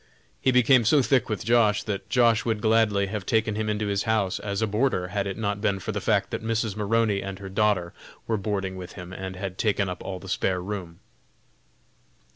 He became so thick with Josh. that Josh. would gladly have taken him into his house as a boarder had it not been for the fact that Mrs. Maroney and her daughter were boarding with him and had taken up all the spare room.